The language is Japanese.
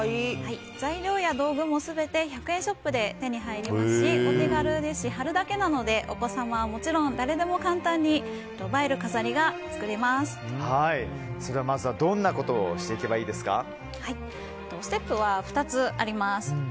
材料や道具も全て１００円ショップで手に入りますし、お手軽ですし貼るだけなのでお子様はもちろん誰でも簡単にまずどんなことをステップは２つあります。